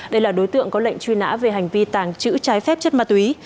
đây là đối tượng có lệnh truy nã về hành vi tàng trữ trái phép chất ma túy